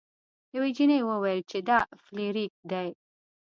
یوې جینۍ وویل چې دا فلیریک دی.